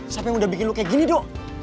siapa yang udah bikin lu kayak gini do